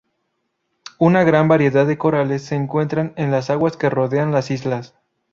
Una gran variedad de corales se encuentran en las aguas que rodean las islas.